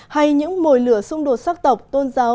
hay những mồi lửa xung đột sắc tộc tôn giáo